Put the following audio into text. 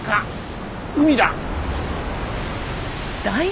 海だ！